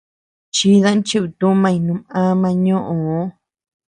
Chidan cheutumañ num ama ñoʼö.